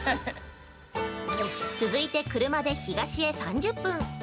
◆続いて、車で東へ３０分。